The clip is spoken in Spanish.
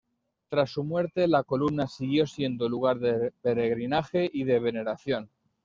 Tras su muerte la columna siguió siendo lugar de peregrinaje y de veneración.